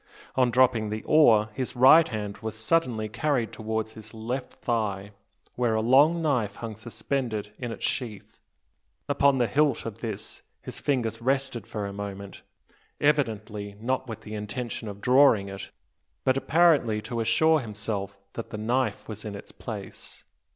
On dropping the oar, his right hand was suddenly carried towards his left thigh, where a long knife hung suspended in its sheath. Upon the hilt of this his fingers rested for a moment, evidently not with the intention of drawing it, but apparently to assure himself that the knife was in its place.